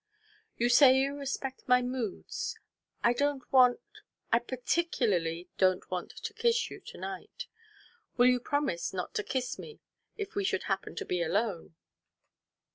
"You say you respect my moods. I don't want I particularly don't want to kiss you to night. Will you promise not to kiss me if we should happen to be alone?"